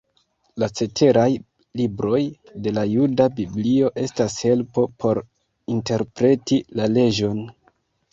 La ceteraj libroj de la juda biblio estas helpo por interpreti la leĝon.